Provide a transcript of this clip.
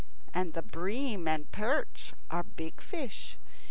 And bream and perch are big fish.